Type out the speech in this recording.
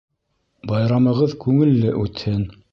Байрамығыҙ күңелле үтһен!